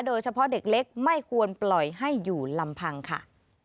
โดยเฉพาะเด็กเล็กไม่ควรปล่อยให้อยู่ลำพังค่ะ